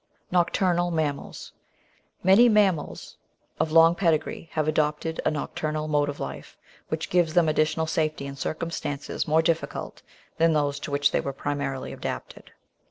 Nocturnal Mammals Many animals of long pedigree have adopted a nocturnal mode of life, which gives them additional safety in circimtistances more difficult than those to which they were primarily adapted.